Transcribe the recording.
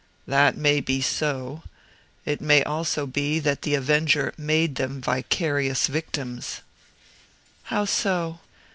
"That may be so; it may also be that the avenger made them vicarious victims." "How so?"